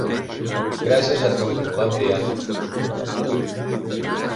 Gràcies a tu, bon dia.